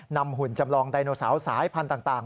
หุ่นจำลองไดโนเสาร์สายพันธุ์ต่าง